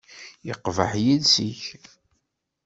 Yeqbeḥ yiles-ik.